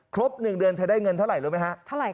ครบ๑เดือนได้เงินเท่าไหร่รึไหมฮะ